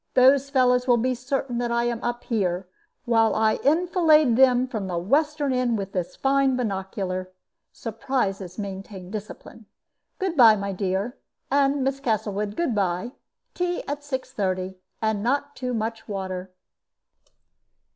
Those fellows will be certain that I am up here, while I enfilade them from the western end with this fine binocular. Surprises maintain discipline. Good by, my dear, and, Miss Castlewood, good by. Tea at 6.30, and not too much water."